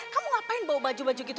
kamu ngapain bawa baju baju gitu